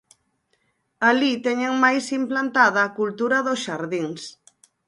Alí teñen máis implantada a cultura dos xardíns.